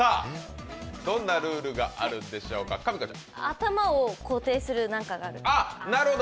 頭を固定する何かがある？